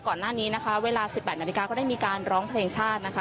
ก่อนหน้านี้นะคะเวลา๑๘นาฬิกาก็ได้มีการร้องเพลงชาตินะคะ